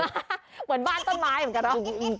เหมือนบ้านต้นไม้เหมือนกันเนอะ